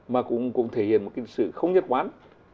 mà cũng thể hiện một sự không nhất quán